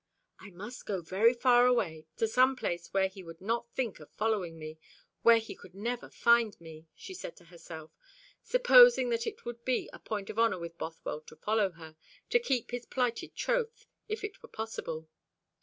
"I must go very far away, to some place where he would not think of following me, where he could never find me," she said to herself, supposing that it would be a point of honour with Bothwell to follow her, to keep his plighted troth, if it were possible.